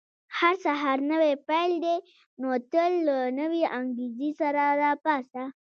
• هر سهار نوی پیل دی، نو تل له نوې انګېزې سره راپاڅه.